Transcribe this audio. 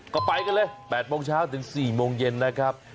ก็ไปกันเลย๘โมงเช้าถึง๔โมงเย็นนะครับ